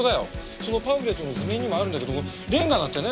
そのパンフレットの図面にもあるんだけどれんがだってね